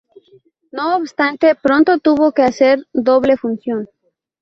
No obstante, pronto tuvo que hacer doble función.